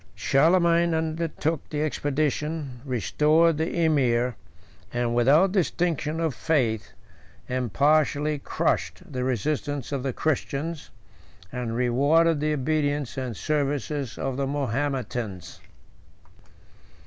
Charlemagne undertook the expedition, restored the emir, and, without distinction of faith, impartially crushed the resistance of the Christians, and rewarded the obedience and services of the Mahometans.